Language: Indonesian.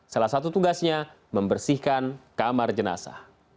salah satu tugasnya membersihkan kamar jenazah